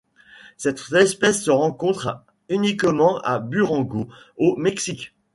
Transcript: Cette espèce se rencontre uniquement à Durango, au Mexique.